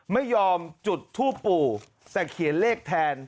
ไม่ยอมจุดทูปปู่แต่เขียนเลขแทน